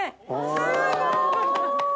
すごい！